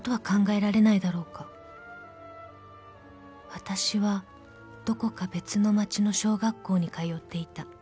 ［わたしはどこか別の町の小学校に通っていた］